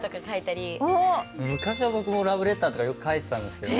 昔は僕もラブレターとかよく書いてたんですけどね。